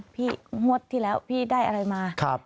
งวดที่แล้วพี่ได้อะไรมา